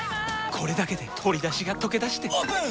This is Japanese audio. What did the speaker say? これだけで鶏だしがとけだしてオープン！